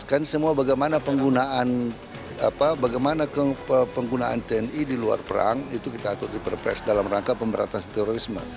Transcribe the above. kan semua bagaimana penggunaan tni di luar perang itu kita atur di perpres dalam rangka pemberantasan terorisme